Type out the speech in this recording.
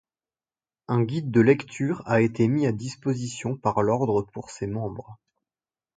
Un guide de lecture a été mis à disposition par l'Ordre pour ses membres.